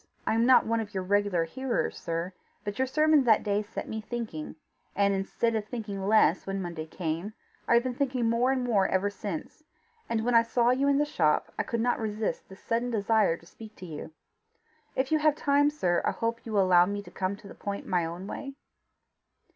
"I am not one of your regular hearers, sir; but your sermon that day set me thinking, and instead of thinking less when Monday came, I have been thinking more and more ever since; and when I saw you in the shop, I could not resist the sudden desire to speak to you. If you have time, sir, I hope you will allow me to come to the point my own way?"